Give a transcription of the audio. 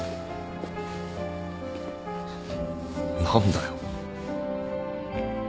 何だよ。